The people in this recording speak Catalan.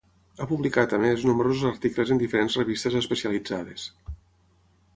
Ha publicat a més nombrosos articles en diferents revistes especialitzades.